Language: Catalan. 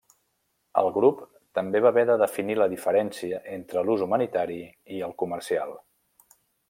El grup també va haver de definir la diferència entre l'ús humanitari i el comercial.